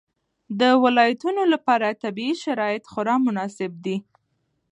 د ولایتونو لپاره طبیعي شرایط خورا مناسب دي.